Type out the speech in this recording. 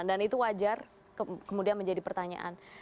dan itu wajar kemudian menjadi pertanyaan